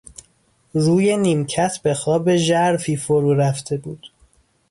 روی نیمکت به خواب ژرفی فرو رفته بود.